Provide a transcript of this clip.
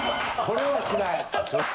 これはしない。